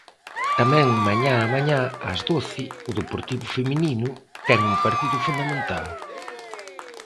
Tamén mañá á mañá, ás doce, o Deportivo feminino ten un partido fundamental.